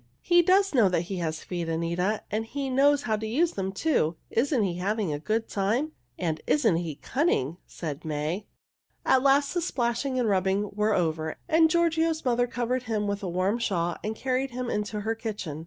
"He does know that he has feet, Anita, and he knows how to use them, too. Isn't he having a good time?" "And isn't he cunning?" said May. At last the splashing and rubbing were over, and Giorgio's mother covered him with a warm shawl and carried him into her kitchen.